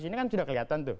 ini kan sudah kelihatan tuh